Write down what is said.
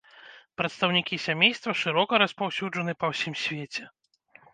Прадстаўнікі сямейства шырока распаўсюджаны па ўсім свеце.